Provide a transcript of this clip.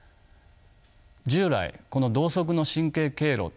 従来この同側の神経経路